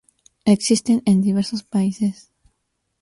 Existe en diversos países.